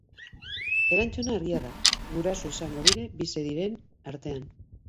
Erantzuna argia da: guraso izango dira bizi diren artean.